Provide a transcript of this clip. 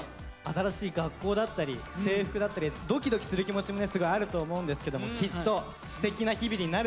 新しい学校だったり制服だったりドキドキする気持ちもねすごいあると思うんですけどもきっとすてきな日々になると思います。